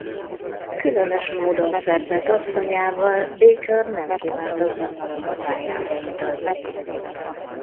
Különös módon szerzett asszonyával Baker nem kívánt azonnal a hazájába utazni.